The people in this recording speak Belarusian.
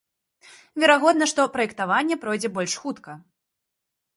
Верагодна, што праектаванне пройдзе больш хутка.